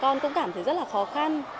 con cũng cảm thấy rất là khó khăn